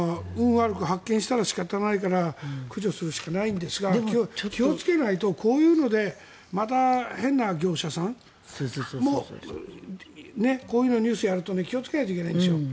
悪く発見したら仕方ないから駆除するしかないんですが気をつけないと、こういうのでまた変な業者さんもこういうニュースをやると気をつけなきゃいけないんですよ。